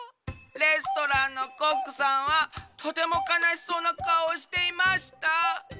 レストランのコックさんはとてもかなしそうなかおをしていました。